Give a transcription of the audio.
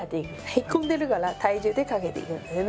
へこんでるから体重でかけていくんですよね。